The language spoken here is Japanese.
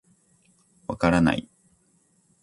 分からない。